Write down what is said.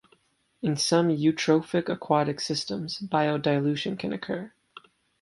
In some eutrophic aquatic systems, biodilution can occur.